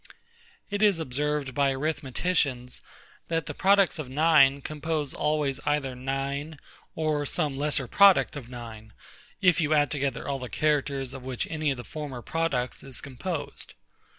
It is observed by arithmeticians, that the products of 9, compose always either 9, or some lesser product of 9, if you add together all the characters of which any of the former products is composed.